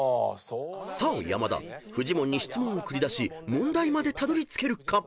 ［さあ山田フジモンに質問を繰り出し問題までたどりつけるか？